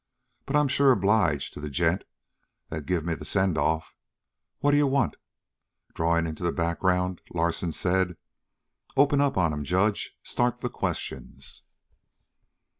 "But I'm sure obliged to the gent that give me the sendoff. What d'you want?" Drawing into the background Larsen said: "Open up on him, judge. Start the questions."